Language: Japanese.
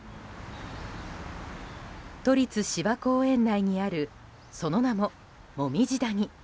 都立芝公園内にあるその名も、もみじ谷。